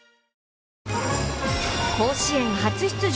甲子園初出場！